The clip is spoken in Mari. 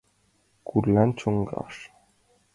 Курлян чоҥгаш.